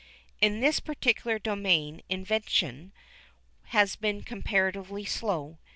In this particular domain invention has been comparatively slow.